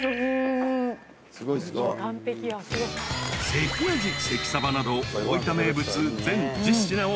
［関あじ関さばなど大分名物全１０品を爆食い］